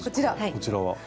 こちらは。